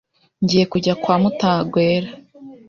Ngiye kujya kwa Mutagwera.